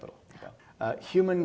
kepala kepala kepala